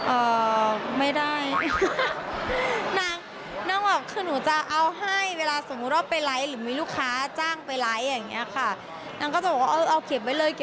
เอ่อไม่ได้นางหนูว่าก็จะเอาให้เวลาสมมติวะออกไปไลค์หรือมีลูกค้าจ้างไปไลค์อย่างนี้ค่ะ